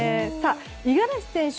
五十嵐選手